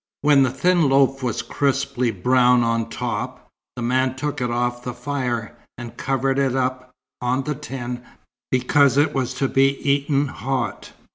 When the thin loaf was crisply brown on top, the man took it off the fire, and covered it up, on the tin, because it was to be eaten hot.